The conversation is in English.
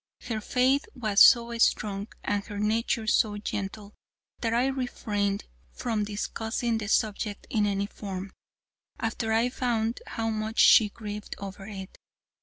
Her faith was so strong and her nature so gentle that I refrained from discussing the subject in any form, after I found how much she grieved over it.